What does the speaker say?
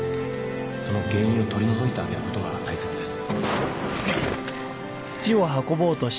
その原因を取り除いてあげることが大切です